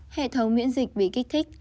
hệ thống miễn dịch bị kích thích